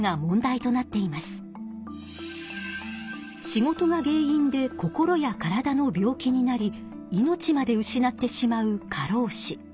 仕事が原因で心や体の病気になり命まで失ってしまう過労死。